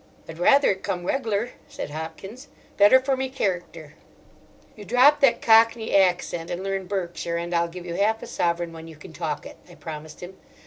"I'd rather it come reggler," said Hopkins. "Better for me kerrickter." "You drop that Cockney accent and learn Berkshire, and I'll give you half a sovereign when you can talk it," I promised him.